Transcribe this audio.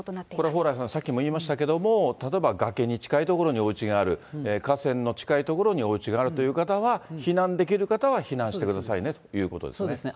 これ蓬莱さん、さっきも言いましたけれども、例えば崖に近い所におうちがある、河川の近い所におうちがあるという方は、避難できる方は避難してくださいねということですね。